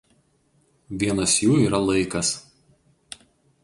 Vienas jų yra laikas.